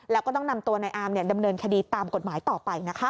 แล้วก็ต้องนำตัวนายอามดำเนินคดีตามกฎหมายต่อไปนะคะ